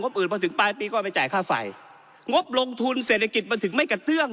อื่นพอถึงปลายปีก็ไปจ่ายค่าไฟงบลงทุนเศรษฐกิจมันถึงไม่กระเตื้อง